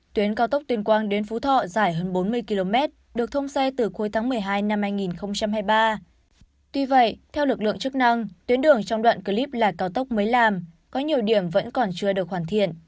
tuy vậy theo lực lượng chức năng tuyến đường trong đoạn clip là cao tốc mới làm có nhiều điểm vẫn còn chưa được hoàn thiện